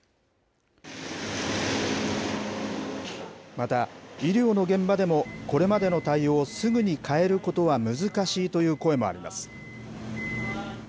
また、医療の現場でも、これまでの対応をすぐに変えることは難しいという声もあります。